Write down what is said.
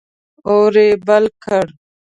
اور یې بل کړ.